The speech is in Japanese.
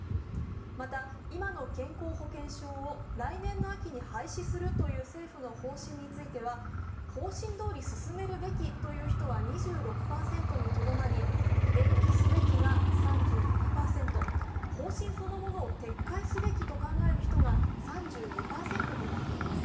また今の健康保険証を来年の秋に廃止するという政府の方針については方針どおり進めるべきという人は２６％にとどまり、延期すべきが３７％、方針そのものを撤回すべきと考える人が３２％となっています。